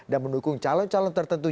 dan mendukung calon calon tertentu